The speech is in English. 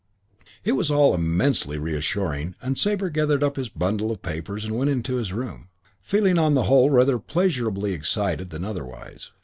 V It was all immensely reassuring, and Sabre gathered up his bundle of papers and went into his room, feeling on the whole rather pleasurably excited than otherwise.